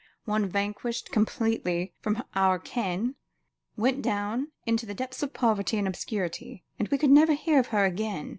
One vanished completely from our ken; went down into the depths of poverty and obscurity, and we could never hear of her again.